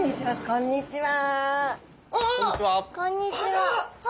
こんにちは。